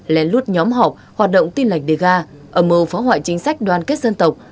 lén lút nhóm học hoạt động tin lãnh địa gà ẩm mơ phá hoại chính sách đoàn kết dân tộc